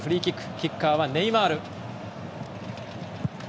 キッカーはネイマール。